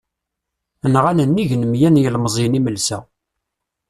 Nɣan nnig n miyya n yilmeẓyen imelsa.